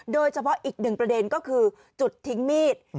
โดยเฉพาะอีกหนึ่งประเด็นก็คือจุดทิ้งมีด